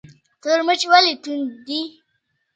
تور مرچ ولې توند دي؟